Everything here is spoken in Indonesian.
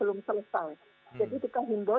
belum selesai jadi kita himbau